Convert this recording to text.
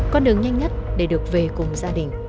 con đường nhanh nhất để được về cùng gia đình